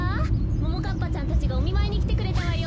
ももかっぱちゃんたちがおみまいにきてくれたわよ。